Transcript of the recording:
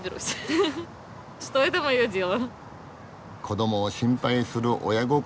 子どもを心配する親心